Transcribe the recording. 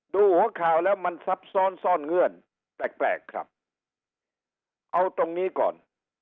หัวข่าวแล้วมันซับซ้อนซ่อนเงื่อนแปลกครับเอาตรงนี้ก่อน